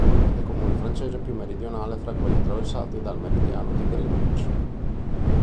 È il comune francese più meridionale fra quelli attraversati dal Meridiano di Greenwich.